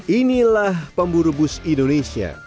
inilah pemburu bus indonesia